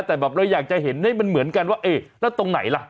แต่แบบเราอยากจะเห็นให้มันเหมือนกันว่าเอ๊ะแล้วตรงไหนล่ะ